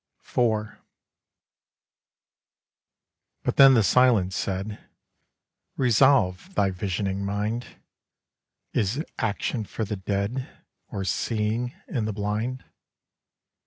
IV But then the Silence said, 'Resolve thy visioning mind: Is action for the dead Or seeing in the blind?